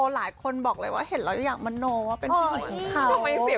หลายคนบอกเลยว่าเห็นเรายังอยากมาโนว่าเป็นพวกเขา